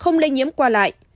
không lây nhiễm qua lại